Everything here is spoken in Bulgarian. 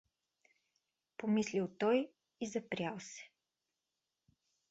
помислил той и запрял се.